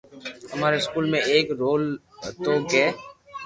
اماري اسڪول مي ايڪ رول ھوتو ڪي